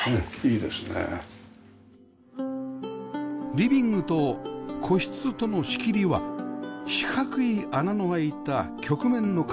リビングと個室との仕切りは四角い穴の開いた曲面の壁